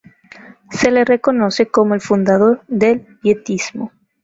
Se le reconoce como el fundador del pietismo.